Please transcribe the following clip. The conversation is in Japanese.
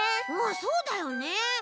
そうだよね。